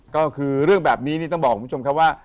ก็คือเรื่องแบบนี้นี่ต้องบอกคุณผู้ชมครับว่า